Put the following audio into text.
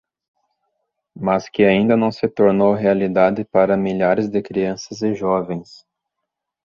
mas que ainda não se tornou realidade para milhares de crianças e jovens